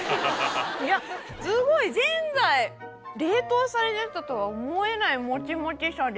いやすごいぜんざい冷凍されてたとは思えないもちもちさで。